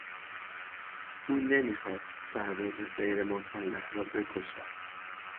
او نمیخواست سرباز غیر مسلح را بکشد.